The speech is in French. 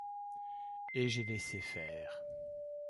Et j’ai laissé faire.